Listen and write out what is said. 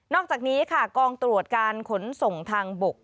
อกจากนี้ค่ะกองตรวจการขนส่งทางบก